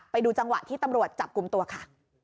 ไปดูจังหวะที่ตำรวจจับกลุ่มตัวค่ะ